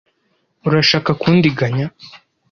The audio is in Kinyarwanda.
Urashaka kundiganya?